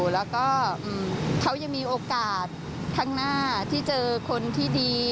แล้วก็เขายังมีโอกาสข้างหน้าที่เจอคนที่ดี